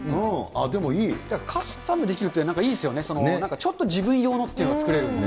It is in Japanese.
だからカスタムできるって、いいっすよね、ちょっと自分用のっていうのが作れるんで。